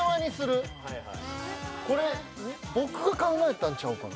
これ僕が考えたんちゃうかな？